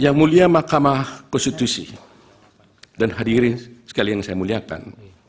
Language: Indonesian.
yang mulia mahkamah konstitusi dan hadirin sekalian saya muliakan